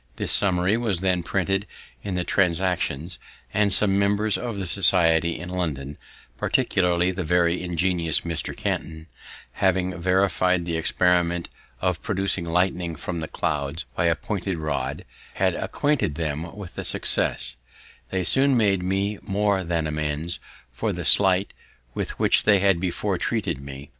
This summary was then printed in their Transactions; and some members of the society in London, particularly the very ingenious Mr. Canton, having verified the experiment of procuring lightning from the clouds by a pointed rod, and acquainting them with the success, they soon made me more than amends for the slight with which they had before treated me.